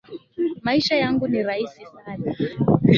Maisha yangu ni rahisi sana